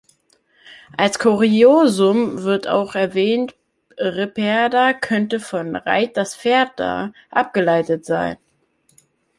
Als Kuriosum wird auch erwähnt, Ripperda könnte von „reit das Pferd da“ abgeleitet sein.